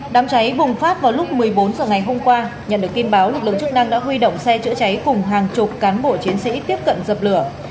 đám cháy bùng phát vào lúc một mươi bốn h ngày hôm qua nhận được tin báo lực lượng chức năng đã huy động xe chữa cháy cùng hàng chục cán bộ chiến sĩ tiếp cận dập lửa